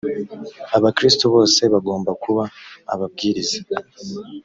abakristo bose bagomba kuba ababwiriza